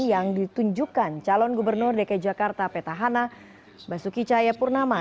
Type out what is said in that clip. yang ditunjukkan calon gubernur dki jakarta petahana basuki cahayapurnama